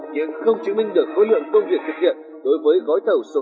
nhưng không chứng minh được khối lượng công việc thực hiện đối với gói thảo số bốn